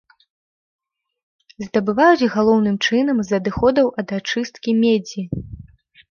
Здабываюць галоўным чынам з адыходаў ад ачысткі медзі.